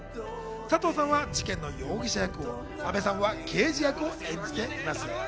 佐藤さんは事件の容疑者役を、阿部さんは刑事役を演じています。